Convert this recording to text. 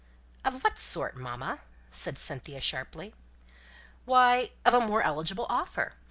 "Of what sort, mamma?" said Cynthia, sharply. "Why, of a more eligible offer.